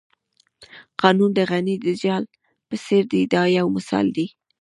قانون د غڼې د جال په څېر دی دا یو مثال دی.